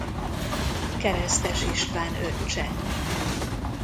Keresztes István öccse.